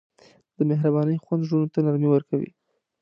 د مهربانۍ خوند زړونو ته نرمي ورکوي.